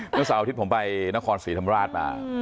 เสาร์อาทิตย์ผมไปนครศรีธรรมราชมา